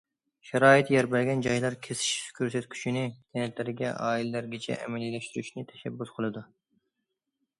شارائىتى يار بەرگەن جايلار، كېسىش كۆرسەتكۈچىنى كەنتلەرگە، ئائىلىلەرگىچە ئەمەلىيلەشتۈرۈشنى تەشەببۇس قىلىدۇ.